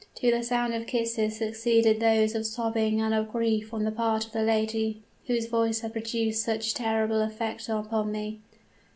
To the sound of kisses succeeded those of sobbing and of grief on the part of the lady whose voice had produced such a terrible effect upon me.